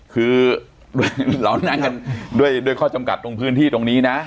คือเรานั่งกันด้วยข้อจำกัดตรงพื้นที่ตรงนี้นะ